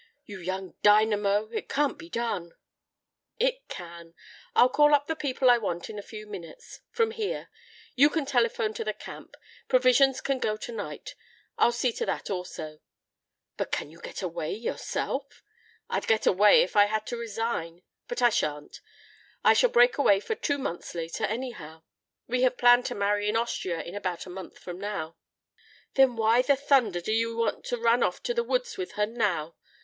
You young dynamo. It can't be done." "It can. I'll call up the people I want in a few minutes from here. You can telephone to the camp. Provisions can go tonight. I'll see to that also " "But can you get away yourself?" "I'd get away if I had to resign, but I shan't. I shall break away for two months later anyhow. We have planned to marry in Austria in about a month from now." "Then why in thunder do you want to run off to the woods with her now?